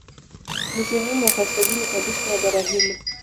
Ni sehemu ya kaskazini kabisa ya bara hilo.